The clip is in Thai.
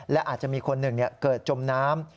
และอาจจะมีคนหนึ่งเกิดจมน้ำ